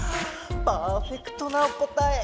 パーフェクトなお答え！